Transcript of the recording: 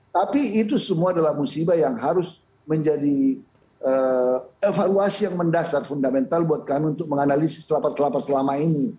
tapi itu semua adalah musibah yang harus menjadi evaluasi yang mendasar fundamental buat kami untuk menganalisis rapat selama ini